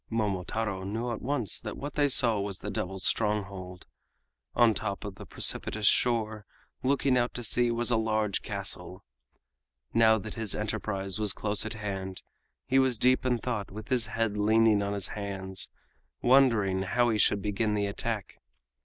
Momotaro knew at once that what they saw was the devils' stronghold. On the top of the precipitous shore, looking out to sea, was a large castle. Now that his enterprise was close at hand, he was deep in thought with his head leaning on his hands, wondering how he should begin the attack.